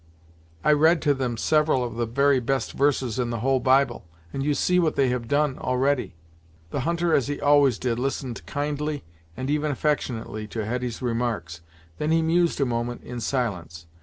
I read to them several of the very best verses in the whole Bible, and you see what they have done, already." The hunter, as he always did, listened kindly and even affectionately to Hetty's remarks; then he mused a moment in silence.